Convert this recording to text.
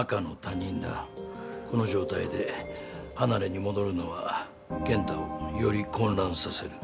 この状態で離れに戻るのは健太をより混乱させる。